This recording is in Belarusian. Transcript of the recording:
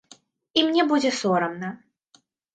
І мне будзе сорамна.